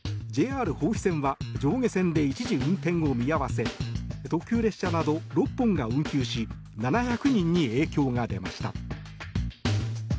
ＪＲ豊肥線は上下線で一時運転を見合わせ特急列車など６本が運休し７００人に影響が出ました。